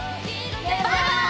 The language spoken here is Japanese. バイバーイ！